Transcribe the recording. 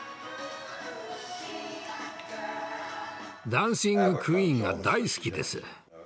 「ダンシング・クイーン」が大好きです。